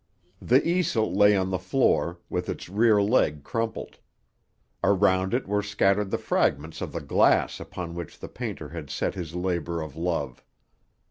The easel lay on the floor, with its rear leg crumpled. Around it were scattered the fragments of the glass upon which the painter had set his labor of love.